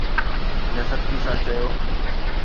هن سختيءَ سان چيو